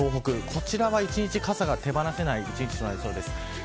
こちらは、一日傘が手放せなくなりそうです。